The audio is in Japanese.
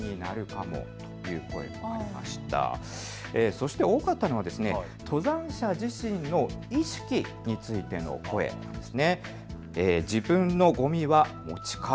そして多かったのは登山者自身の意識についての声です。